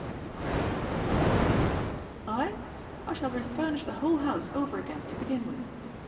" he queried sceptically. *^ I ? I shall refamish the whole house over again, to begin with.